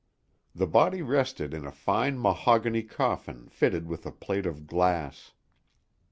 The body rested in a fine mahogany coffin fitted with a plate of glass.